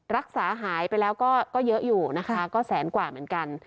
รักษาหายไปแล้วก็เยอะอยู่นะคะก็แสนกว่าเหมือนกัน